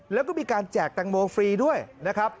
แล้วก็มีการแจกแตงโมฟรีด้วยนะครับ